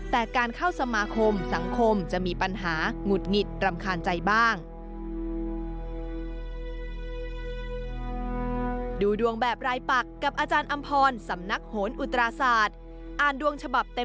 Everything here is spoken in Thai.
แต่การเข้าสมาคมสังคมจะมีปัญหาหงุดหงิดรำคาญใจบ้าง